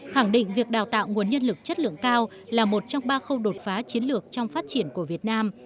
khẳng định việc đào tạo nguồn nhân lực chất lượng cao là một trong ba khâu đột phá chiến lược trong phát triển của việt nam